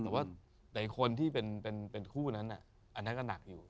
แต่ไหนคนที่เป็นคู่นั้นน่ะอันนี้ก็หนักอยู่